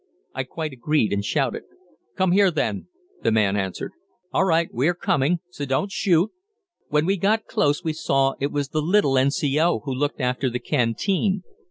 I quite agreed and shouted. "Come here, then," the man answered. "All right, we are coming, so don't shoot." When we got close we saw it was the little N.C.O. who looked after the canteen.